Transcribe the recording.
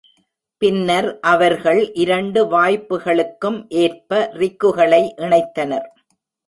பின்னர் அவர்கள் இரண்டு வாய்ப்புகளுக்கும் ஏற்ப ரிக்குகளை இணைத்தனர்.